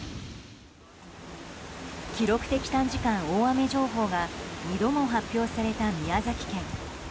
記録的短時間大雨情報が２度も発表された宮崎県。